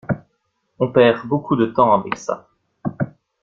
On perd beaucoup de temps avec ça.